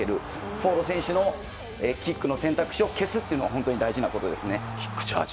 フォード選手のキックの選択肢を消すというのが大事なことです。